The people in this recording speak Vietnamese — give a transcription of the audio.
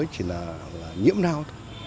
chỉ là nhiễm lao thôi